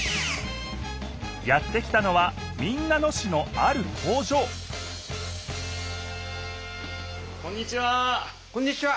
やって来たのは民奈野市のある工場こんにちは！